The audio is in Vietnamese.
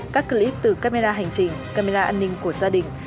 các clip từ camera hành trình camera an ninh của gia đình